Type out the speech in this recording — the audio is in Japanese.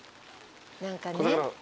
何かね